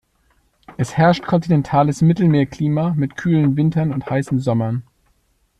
Es herrscht kontinentales Mittelmeerklima mit kühlen Wintern und heißen Sommern.